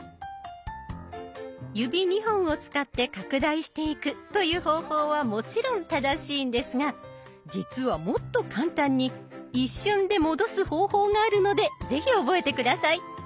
指２本を使って拡大していくという方法はもちろん正しいんですが実はもっと簡単に一瞬で戻す方法があるので是非覚えて下さい。